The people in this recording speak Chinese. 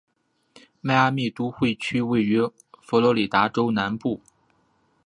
迈阿密都会区位于佛罗里达州南部。